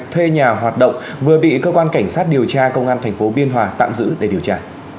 thuê nhà hoạt động vừa bị cơ quan cảnh sát điều tra công an tp biên hòa tạm giữ để điều tra